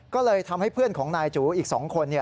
ก็เลยทำให้เพื่อนของนายจูอีก๒คน